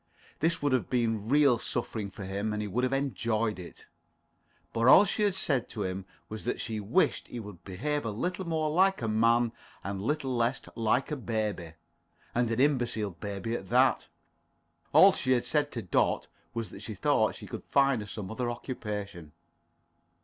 This would have been real suffering for him, and he would have enjoyed it. But all she had said to him was that she wished he would behave a little more like a man and a little less like a baby, and an imbecile baby at that. All she had said to Dot was that she thought she could find her some other occupation.